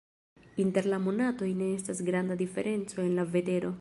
Inter la monatoj ne estas granda diferenco en la vetero.